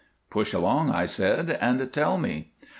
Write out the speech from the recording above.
"Push along," I said, "and tell me."